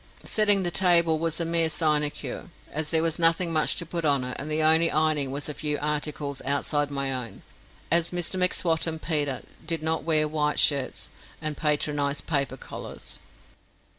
Setting the table was a mere sinecure, as there was nothing much to put on it; and the only ironing was a few articles outside my own, as Mr M'Swat and Peter did not wear white shirts, and patronised paper collars.